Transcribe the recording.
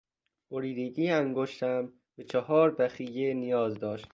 بریدگی انگشتم به چهار بخیه نیاز داشت.